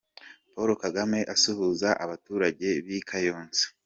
Paul Kagame asuhuza abaturage b'i Kayonza.